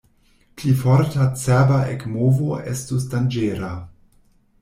Pli forta cerba ekmovo estus danĝera.